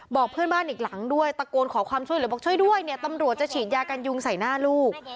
บอกเพื่อนบ้านอีกหลังด้วยตะโกนขอความช่วยเหลือบอกช่วยด้วยเนี่ยตำรวจจะฉีดยากันยุงใส่หน้าลูก